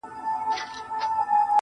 ستا د څوڼو ځنگلونه زمـا بــدن خـوري.